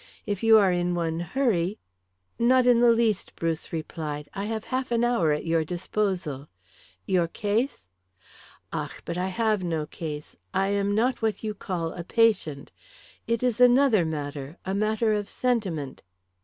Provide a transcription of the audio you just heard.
If you are in one hurry " "Not in the least," Bruce replied. "I have half an hour at your disposal. Your case " "Ach, but I have no case, I am not what you call a patient. It is another matter a matter of sentiment."